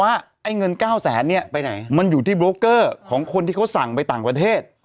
ไอ้เงิน๙แสนเนี่ยไปไหนมันอยู่ที่โบรกเกอร์ของคนที่เขาสั่งไปต่างประเทศ